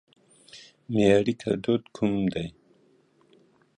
معياري ګړدود کوم دي؟